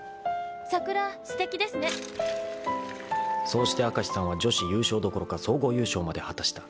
［そうして明石さんは女子優勝どころか総合優勝まで果たした］